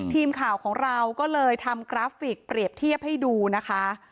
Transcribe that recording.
ทีมข่าวของเราก็เลยทำกราฟิกเปรียบเทียบให้ดูนะคะ